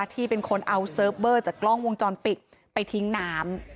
ที่เป็นคนเอาเซิร์ฟเวอร์จากกล้องวงจรปิดไปทิ้งน้ำ